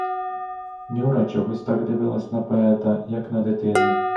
Нюра чогось так дивилась на поета, як на дитину.